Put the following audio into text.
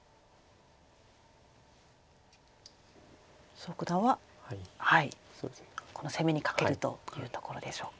蘇九段はこの攻めに懸けるということころでしょうか。